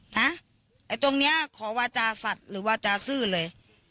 ไอ้ตรงนี้ขอวาจาสัตว์หรือวาจาซื่อเลย